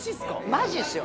マジっすよ。